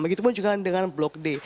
begitupun juga dengan blok d